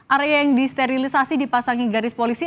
area yang disterilisasi dipasangi garis polisi